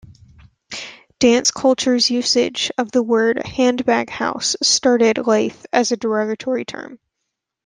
Dance culture's usage of the word 'handbag house' started life as a derogatory term.